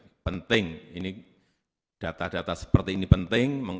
ini penting ini data data seperti ini penting